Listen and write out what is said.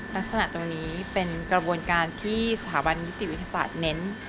ลักษณะตรงนี้เป็นกระบวนการที่สถาบันนิติวิทยาศาสตร์เน้น